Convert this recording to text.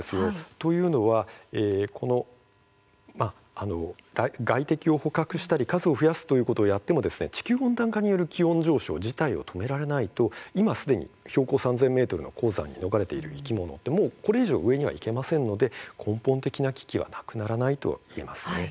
というのは外敵を捕獲したり数を増やしたりしても地球温暖化による気温上昇を止められないと、今すでに３０００ｍ級の高山に追われている生き物なのでこれ以上上にはいけませんので根本的な危機はなくならないと言えます。